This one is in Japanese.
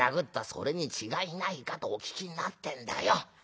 それに違いないかとお聞きになってんだよ」。